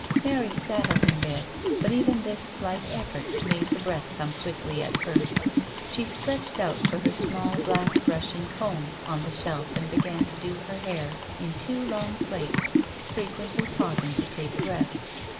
Mary sat up in bed, but even this slight effort made her breath come quickly at first. She stretched out for the small black brush and comb on the shelf and began to do her hair in two long plaits, frequently pausing to take breath.